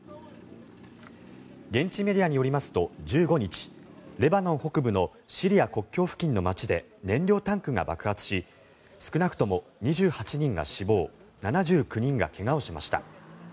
現地メディアによりますと１５日レバノン北部のシリア国境付近の街で燃料タンクが爆発し少なくとも２８人が死亡７９人が怪我をしました。